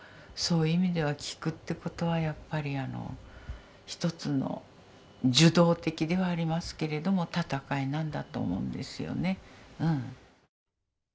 そういう意味では「きく」ってことはやっぱり一つの受動的ではありますけれども戦いなんだと思うんですよねうん。